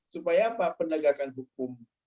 supaya pendegakan hukum